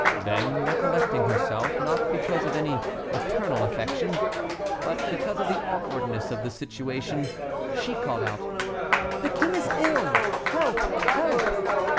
Then recollecting herself, not because of any maternal affection, but because of the awkwardness of the situation, she called out: "The King is ill! Help! help!"